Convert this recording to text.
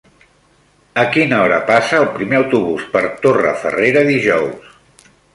A quina hora passa el primer autobús per Torrefarrera dijous?